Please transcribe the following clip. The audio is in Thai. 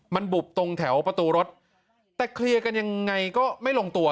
มันบุบตรงแถวประตูรถแต่เคลียร์กันยังไงก็ไม่ลงตัว